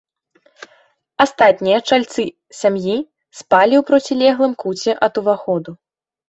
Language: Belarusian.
Астатнія чальцы сям'і спалі ў процілеглым куце ад уваходу.